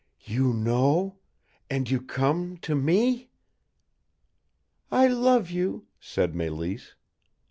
"You know and you come to me!" "I love you," said Mélisse.